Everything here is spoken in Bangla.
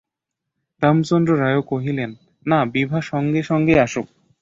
রামচন্দ্র রায়ও কহিলেন, না, বিভা সঙ্গে সঙ্গেই আসুক।